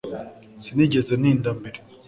Sinigeze ntinda mbere